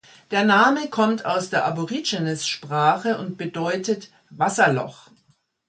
Der Name kommt aus der Aborigines-Sprache und bedeutet „Wasserloch“.